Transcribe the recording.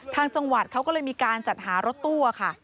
ทางจังหวัดเขาก็เลยมีการจัดหารถตู้ค่ะ